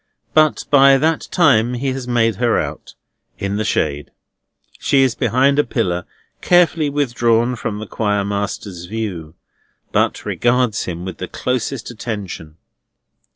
But by that time he has made her out, in the shade. She is behind a pillar, carefully withdrawn from the Choir master's view, but regards him with the closest attention.